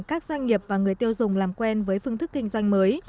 các doanh nghiệp và người tiêu dùng làm quen với phương thức kinh doanh mới